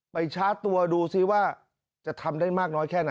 ชาร์จตัวดูซิว่าจะทำได้มากน้อยแค่ไหน